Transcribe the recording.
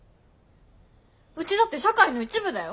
うちだって社会の一部だよ。